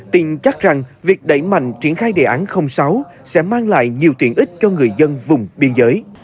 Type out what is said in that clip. tin chắc rằng việc đẩy mạnh triển khai đề án sáu sẽ mang lại nhiều tiện ích cho người dân vùng biên giới